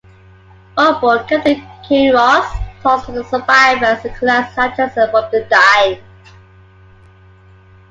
On board, Captain Kinross talks to the survivors and collects addresses from the dying.